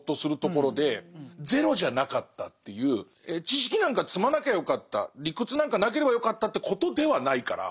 知識なんか積まなきゃよかった理屈なんかなければよかったってことではないから。